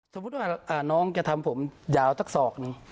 สมมุติว่าน้องจะทำผมยาวสักศอกหนึ่ง